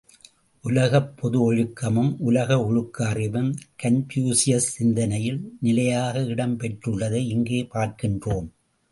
உலகப் பொது ஒழுக்கமும் உலக ஒழுக்க அறிவும் கன்பூசியஸ் சிந்தனையில் நிலையாக இடம் பெற்றுள்ளதை இங்கே பார்க்கின்றோம்.